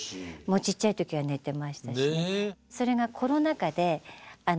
ちっちゃい時は寝てましたしね。